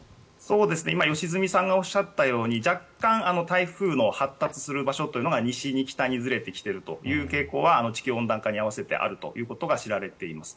良純さんがおっしゃったように若干、台風の発達する場所が西に、北にずれてきているというのは地球温暖化に合わせてあるということが知られています。